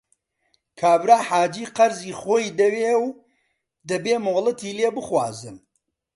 کابرا حاجی قەرزی خۆی دەوێ و دەبێ مۆڵەتی لێ بخوازن